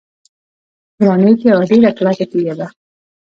ګرانیټ یوه ډیره کلکه تیږه ده.